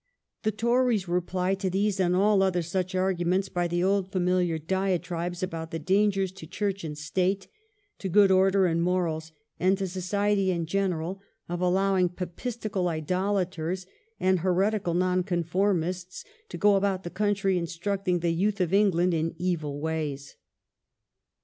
The Tories replied to these and all other such arguments by the old familiar diatribes about the dangers to Church and State, to good order and morals, and to society in general, of allowing Papistical idolaters, and heretical Nonconformists, to go about the country instructing the youth of England in evil ways.